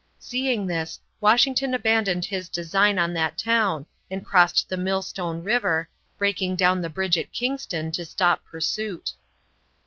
Seeing this, Washington abandoned his design on that town and crossed the Millstone River, breaking down the bridge at Kingston to stop pursuit.